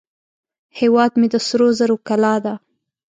هیواد مې د سرو زرو کلاه ده